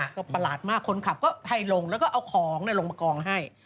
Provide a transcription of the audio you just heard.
ก็ประหลาดมากคนขับก็ให้ลงแล้วก็เอาของลงมากองให้